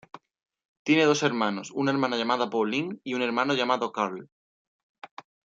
Tiene dos hermanos, una hermana llamada Pauline y un hermano llamado Carl.